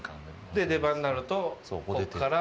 で、出番になると、ここから。